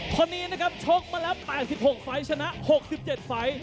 คนนี้ชกมาละ๘๖ฟัยชนะ๖๗ฟัย